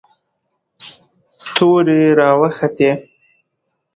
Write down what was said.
تورې را وختې.